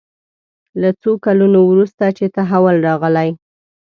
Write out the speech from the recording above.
له څو کلونو وروسته چې تحول راغلی.